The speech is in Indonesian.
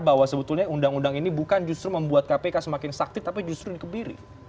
bahwa sebetulnya undang undang ini bukan justru membuat kpk semakin sakti tapi justru dikebiri